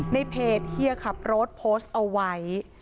ในเพจเฮียขับรถโพสต์เอาไว้